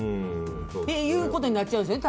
っていうことになっちゃうんですよ